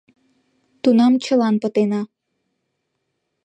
Тунам чылан пытена.